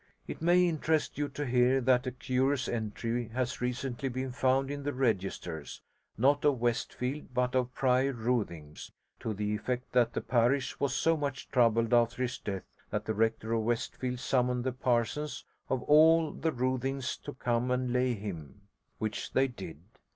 It may interest you to hear that a curious entry has recently been found in the registers, not of Westfield but of Priors Roothing, to the effect that the parish was so much troubled after his death that the rector of Westfield summoned the parsons of all the Roothings to come and lay him; which they did.